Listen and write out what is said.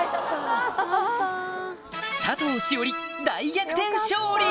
佐藤栞里大逆転勝利！